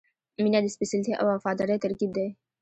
• مینه د سپېڅلتیا او وفادارۍ ترکیب دی.